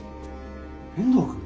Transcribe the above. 遠藤くん？